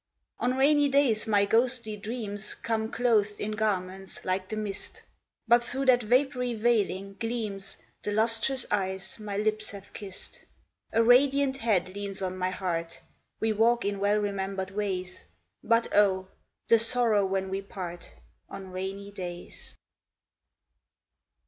On rainy days, my ghostly dreams Come clothed in garments like the mist, But through that vapoury veiling, gleams The lustrous eyes my lips have kissed. A radiant head leans on my heart, We walk in well remembered ways; But oh! the sorrow when we part, On rainy days.